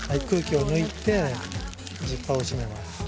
空気を抜いてジッパーを締めます。